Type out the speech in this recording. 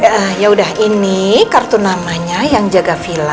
ya yaudah ini kartu namanya yang jaga villa